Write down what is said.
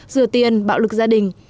rửa tiền bạo lực gia đình